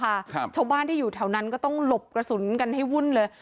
ครับชาวบ้านที่อยู่แถวนั้นก็ต้องหลบกระสุนกันให้วุ่นเลย